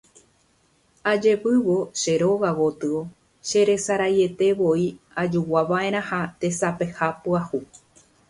Ajevývo che róga gotyo cheresaraietevoi ajoguava'erãha tesapeha pyahu.